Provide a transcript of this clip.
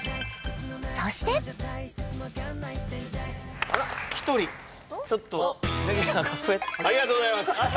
そしてありがとうございます！